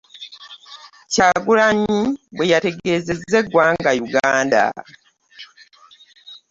Kyagulanyi bwe yategeeza eggwanga Uganda.